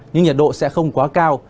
nhưng nhiệt độ sẽ không quá cao